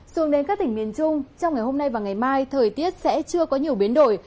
xuống đến các tỉnh miền trung trong ngày hôm nay và ngày mai thời tiết sẽ chưa có nhiều biến đổi